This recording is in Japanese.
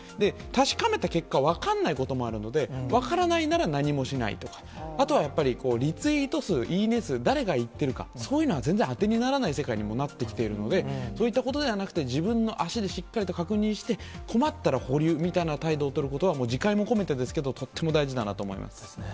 確かめた結果、分かんないこともあるので、分からないなら何もしないとか、あとはやっぱり、リツイート数、いいね数、誰が言ってるか、そういうのは全然、当てにならない世界に、もうなってきているので、そういったことではなくて、自分の足でしっかりと確認して、困ったら保留みたいな態度を取ることは自戒も込めてですけど、とっても大事だなと思そうですね。